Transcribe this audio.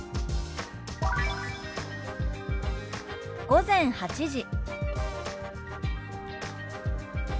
「午前８時」。